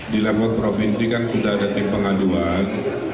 di level provinsi kan sudah ada tim pengaduan